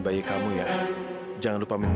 aku sudah mencintai kamila